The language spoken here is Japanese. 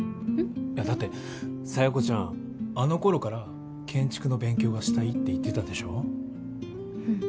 いやだって佐弥子ちゃんあの頃から「建築の勉強がしたい」って言ってたでしょうん